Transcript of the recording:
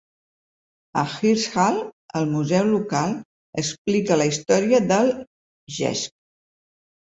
A Hirtshals, el museu local explica la història del "bjesk".